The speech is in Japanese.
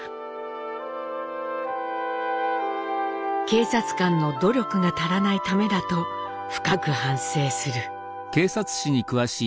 「警察官の努力がたらないためだと深く反省する」。